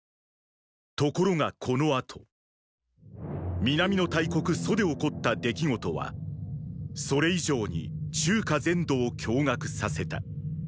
ところがこの後ーー南の大国「楚」で起こった出来事はそれ以上に中華全土を驚愕させた。